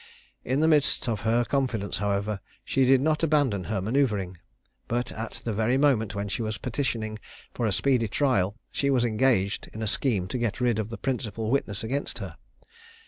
In the midst of her confidence, however, she did not abandon her manoeuvring; but at the very moment when she was petitioning for a speedy trial, she was engaged in a scheme to get rid of the principal witness against her.